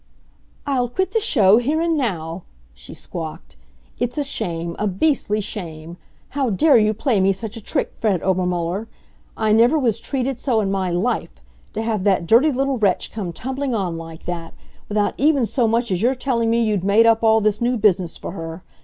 "I'll quit the show here and now," she squawked. "It's a shame, a beastly shame. How dare you play me such a trick, Fred Obermuller? I never was treated so in my life to have that dirty little wretch come tumbling on like that, without even so much as your telling me you'd made up all this new business for her!